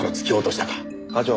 課長。